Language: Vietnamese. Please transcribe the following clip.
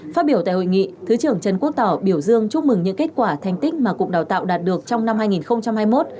phát biểu tại hội nghị thứ trưởng trần quốc tỏ biểu dương chúc mừng những kết quả thành tích mà cục đào tạo đạt được trong năm hai nghìn hai mươi một